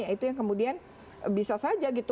itu yang kemudian bisa saja gitu